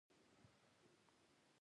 سبزیجات د ویټامینو یوه ښه سرچينه ده